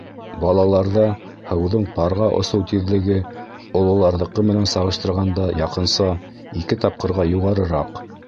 Балаларҙа һыуҙың парға осоу тиҙлеге ололарҙыҡы менән сағыштырғанда яҡынса ике тапҡырға юғарыраҡ.